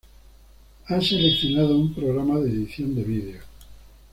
He seleccionado un programa de edición de vídeo